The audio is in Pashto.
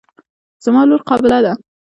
زما لور قابله ده.